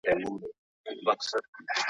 « اې د دې ټولو ښایستونو د تابلو نقاشه!